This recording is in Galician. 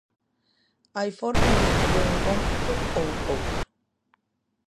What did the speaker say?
Hai formas de escoller un cómputo ou outro.